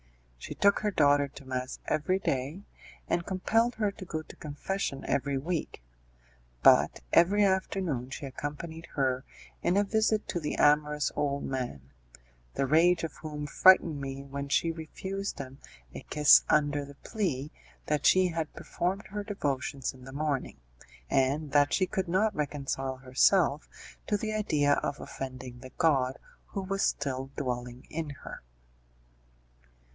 She took her daughter to mass every day and compelled her to go to confession every week; but every afternoon she accompanied her in a visit to the amorous old man, the rage of whom frightened me when she refused him a kiss under the plea that she had performed her devotions in the morning, and that she could not reconcile herself to the idea of offending the God who was still dwelling in her.